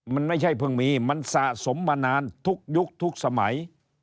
มันไม่ใช่เพิ่งมีมันสะสมมานานทุกยุคทุกสมัย